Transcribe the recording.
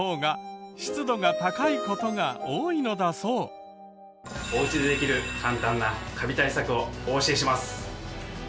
窓は雨でもおうちでできる簡単なカビ対策をお教えします！